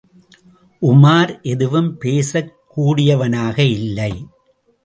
உமார் எதுவும் பேசக் கூடியவனாக இல்லை.